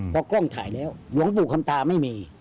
พอกล้องถ่ายแล้วหลวงปู่คำตาไม่มี